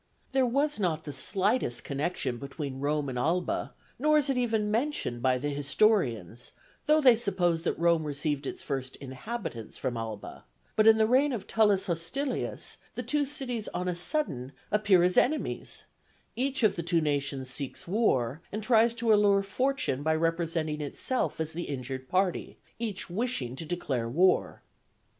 There was not the slightest connection between Rome and Alba, nor is it even mentioned by the historians, though they suppose that Rome received its first inhabitants from Alba; but in the reign of Tullus Hostilius the two cities on a sudden appear as enemies: each of the two nations seeks war, and tries to allure fortune by representing itself as the injured party, each wishing to declare war.